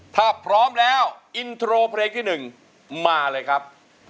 ถ้าพร้อมแล้วอินโทรเพลงที่๑มาเลยครับ